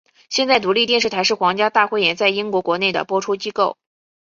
现在独立电视台是皇家大汇演在英国国内的播出机构。